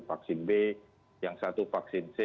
vaksin b yang satu vaksin c